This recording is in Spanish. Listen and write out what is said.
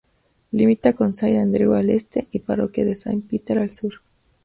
Limita con Saint Andrew al este, y Parroquia de Saint Peter al sur.